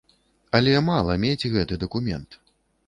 Але мала мець гэты дакумент.